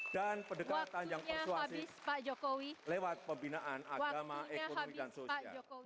dan pendekatan yang persuasif lewat pembinaan agama ekonomi dan sosial